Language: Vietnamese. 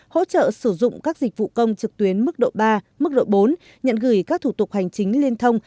hỗ trợ sử dụng các dịch vụ công trực tuyến mức độ ba mức độ bốn nhận gửi các thủ tục hành chính liên thông